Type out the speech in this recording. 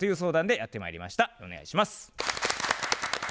お願いします。